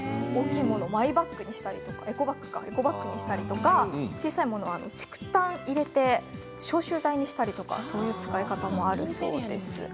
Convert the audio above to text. マイバッグにしたりエコバッグにしたり小さいものは竹炭を入れて消臭剤にしたりとかそういう使い方もあるそうです。